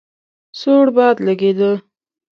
سوړ باد لګېده.